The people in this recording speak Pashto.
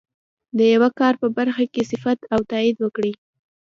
د یوه کار په برخه کې صفت او تایید وکړي.